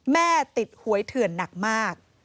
แม่ติดหวยเถื่อนหนักมาก